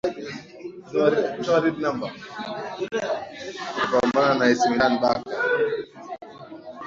watapambana na ac milan barca